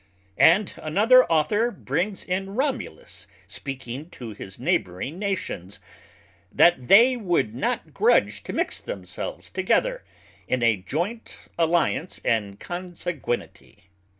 And another Author brings in Romulus speaking to his neighbouring Nations, That they would not grudge to mix themselves together in a joynt Allyance and Consanguinity.